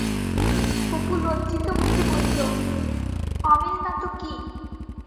অপু লজ্জিত মুখে বলিল, অমিল না তো কি?